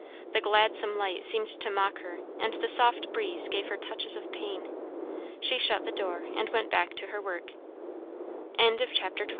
The gladsome light seemed to mock her, and the soft breeze gave her touches of pain. She shut the door and went back to her work. CHAPTER XIII. FROM THE POST OFFICE. Mrs.